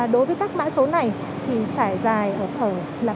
đối với các mã số này trải dài ở ba mươi quận huyện thị xã